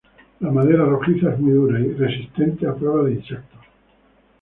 La madera, rojiza, es muy dura y resistente, a prueba de insectos.